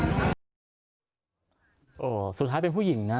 ะสุดท้ายเป็นผู้หญิงนะ